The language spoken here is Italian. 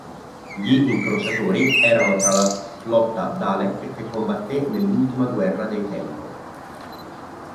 Gli incrociatori erano tra la flotta Dalek che combatté nell'ultima guerra dei tempo.